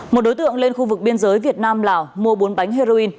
một đối tượng lên khu vực biên giới việt nam lào mua bốn bánh heroin